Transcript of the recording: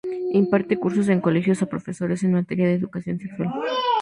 Imparte cursos en colegios y a profesores en materia de educación sexual.